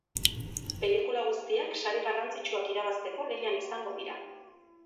Pelikula guztiak sari garrantzitsuak irabazteko lehian izango dira.